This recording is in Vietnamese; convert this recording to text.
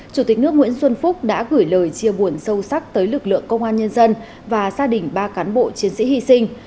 chủ tịch nước nguyễn xuân phúc đã gửi lời chia buồn sâu sắc tới lực lượng công an nhân dân và gia đình ba cán bộ chiến sĩ hy sinh